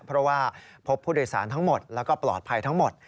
เพราะว่าพบผู้โดยสารทั้งหมดแล้วก็ปลอดภัยทั้งหมด